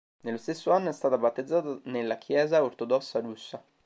Nello stesso anno è stata battezzata nella Chiesa Ortodossa Russa.